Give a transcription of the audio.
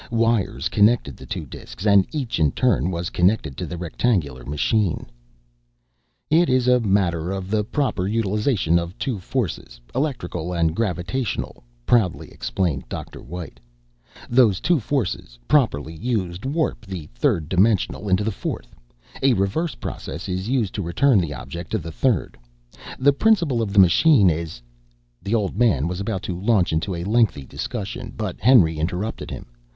Wires connected the two disks and each in turn was connected to the rectangular machine. "It is a matter of the proper utilization of two forces, electrical and gravitational," proudly explained Dr. White. "Those two forces, properly used, warp the third dimensional into the fourth. A reverse process is used to return the object to the third. The principle of the machine is " The old man was about to launch into a lengthy discussion, but Henry interrupted him.